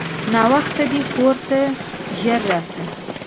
ناوخته دی کورته ژر راسه!